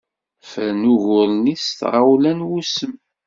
Fran ugur-nni s tɣawla n wusem.